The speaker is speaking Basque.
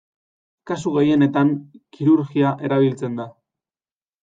Kasu gehienetan kirurgia erabiltzen da.